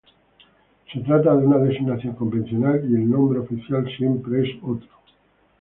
Se trata de una designación convencional y el nombre oficial siempre es otro.